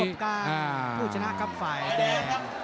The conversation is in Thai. การผู้ชนะครับฝ่ายแดง